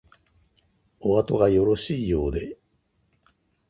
おあとがよろしいようで